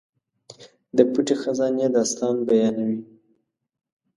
د پټې خزانې داستان بیانوي.